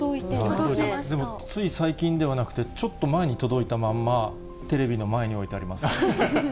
でもつい最近ではなくて、ちょっと前に届いたまんま、テレビの前に置いてあります。